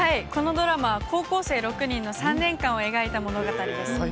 このドラマは高校生６人の３年間を描いた物語です。